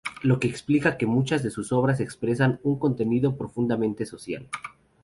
Lo que explica que muchas de sus obras expresan un contenido profundamente social.